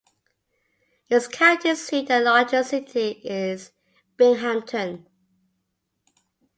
Its county seat and largest city is Binghamton.